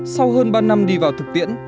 sau hơn ba năm đi vào thực tiễn